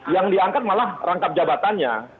yang diangkat malah rangkap jabatannya